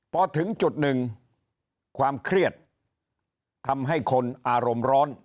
พอถึงจุดหนึ่งความเครียดทำให้คนอารมณ์ร้อน